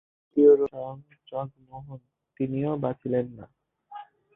দ্বিতীয় রোগী স্বয়ং জগমোহন, তিনিও বাঁচিলেন না।